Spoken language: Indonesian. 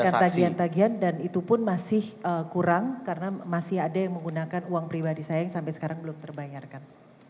bukan tagihan tagihan dan itu pun masih kurang karena masih ada yang menggunakan uang pribadi saya yang sampai sekarang belum terbayarkan